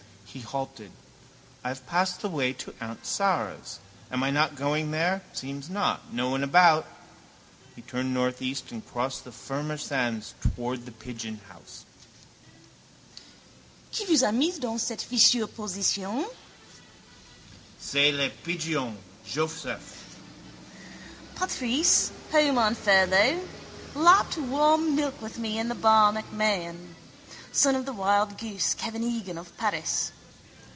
He halted. I have passed the way to aunt Sara's. Am I not going there? Seems not. No one about. He turned northeast and crossed the firmer sand towards the Pigeonhouse. —Qui vous a mis dans cette fichue position? —C'est le pigeon, Joseph. Patrice, home on furlough, lapped warm milk with me in the bar MacMahon. Son of the wild goose, Kevin Egan of Paris.